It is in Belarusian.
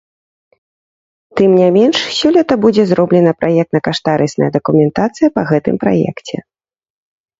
Тым не менш, сёлета будзе зроблена праектна-каштарысная дакументацыя па гэтым праекце.